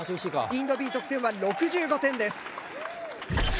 インドＢ得点は６５点です。